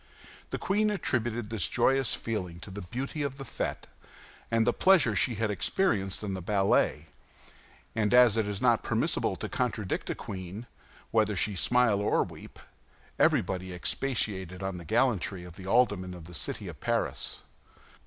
The queen attributed this joyous feeling to the beauty of the fête, to the pleasure she had experienced in the ballet; and as it is not permissible to contradict a queen, whether she smile or weep, everybody expatiated on the gallantry of the aldermen of the city of Paris.